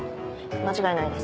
間違いないです。